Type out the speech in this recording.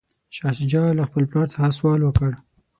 شاه شجاع له خپل پلار څخه سوال وکړ.